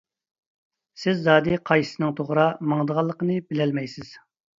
سىز زادى قايسىسىنىڭ توغرا ماڭىدىغانلىقىنى بىلەلمەيسىز.